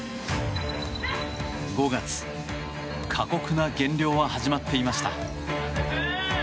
５月、過酷な減量は始まっていました。